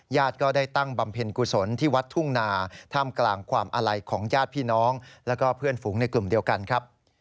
ก็ได้ตั้งบำเพ็ญกุศลที่วัดทุ่งนาท่ามกลางความอาลัยของญาติพี่น้องแล้วก็เพื่อนฝูงในกลุ่มเดียวกันครับ